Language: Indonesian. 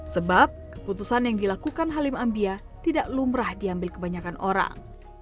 sebab keputusan yang dilakukan halim ambia tidak lumrah diambil kebanyakan orang